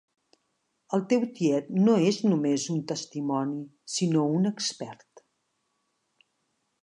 El teu tiet no és només un testimoni sinó un expert.